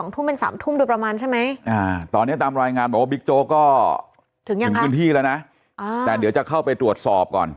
ตอนนี้ตามรายงานบิ๊กโจ๊ก็ถึงพื้นที่แล้วนะแต่เดี๋ยวจะเข้าไปตรวจสอบก่อน